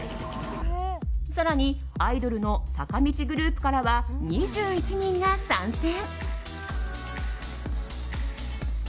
更にアイドルの坂道グループからは２１人が参戦。